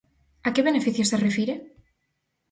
A que beneficios se refire?